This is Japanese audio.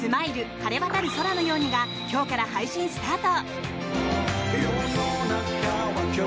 晴れ渡る空のように」が今日から配信スタート。